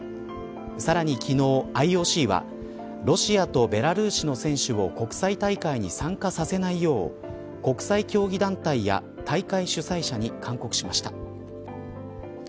さらに昨日、ＩＯＣはロシアとベラルーシの選手を国際大会に参加させないよう国際競技団体や大会主催者に勧告しました。